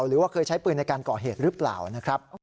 หรือว่าเคยใช้ปืนในการก่อเหตุหรือเปล่านะครับ